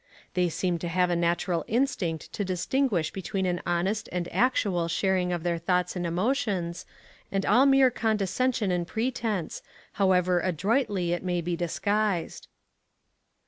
They seem to have a natural instinct to distinguish between an honest and actual sharing of their thoughts and emotions, and all mere condescension and pretense, however adroitly it may be disguised.